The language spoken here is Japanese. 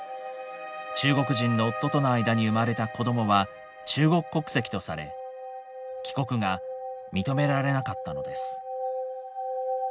中国人の夫との間に生まれた子どもは中国国籍とされ帰国が認められなかったのです。